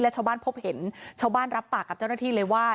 ชาวบ้านพบเห็นชาวบ้านรับปากกับเจ้าหน้าที่เลยว่า